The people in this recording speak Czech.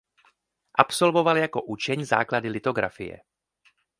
Absolvoval jako učeň základy litografie.